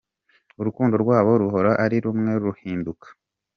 Urukundo rwabo ruhora ari rumwe rudahinduka.